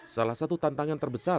salah satu tantangan terbesar